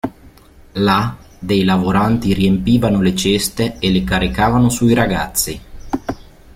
Là dei lavoranti riempivano le ceste e le caricavano sui ragazzi.